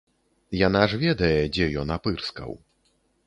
Яна ж ведае, дзе ён апырскаў.